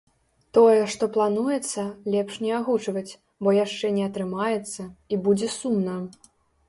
Тое, што плануецца, лепш не агучваць, бо яшчэ не атрымаецца, і будзе сумна.